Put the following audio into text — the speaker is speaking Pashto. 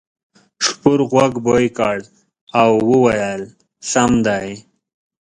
سپور غوږ بوی کړ او وویل سم دی.